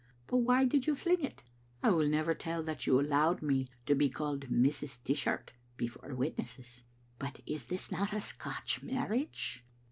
But why did you fling it? I will never tell that you allowed me to be called Mrs. Dishart before witnesses. But is not this a Scotch marriage?